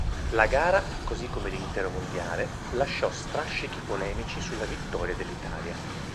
La gara, così come l'intero mondiale, lasciò strascichi polemici sulla vittoria dell'Italia.